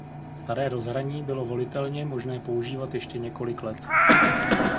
Staré rozhraní bylo volitelně možné používat ještě několik let.